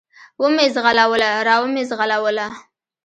و مې زغلوله، را ومې زغلوله.